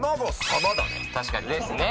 確かにですね。